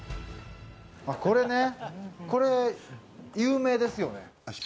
これね、これ有名ですよ。